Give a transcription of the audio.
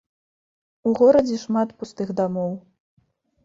У горадзе шмат пустых дамоў.